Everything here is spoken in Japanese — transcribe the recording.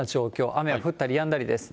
雨は降ったりやんだりです。